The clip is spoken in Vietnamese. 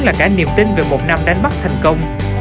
là cả niềm tin về một năm đánh bắt thành công